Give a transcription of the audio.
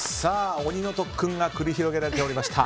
鬼の特訓が繰り広げられておりました